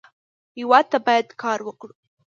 هېواد ته باید کار وکړو